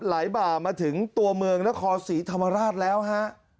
บ่ามาถึงตัวเมืองนครศรีธรรมราชแล้วฮะ